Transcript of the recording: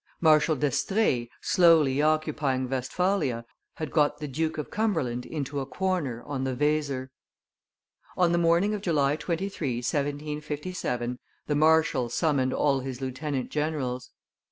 Marshal d'Estrees, slowly occupying Westphalia, had got the Duke of Cumberland into a corner on the Weser. On the morning of July 23, 1757, the marshal summoned all his lieutenant generals.